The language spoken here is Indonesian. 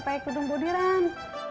pake kerudung bodiran